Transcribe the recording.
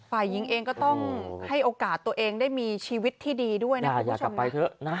ฝ่ายหญิงเองก็ต้องให้โอกาสตัวเองได้มีชีวิตที่ดีด้วยนะครับคุณผู้ชม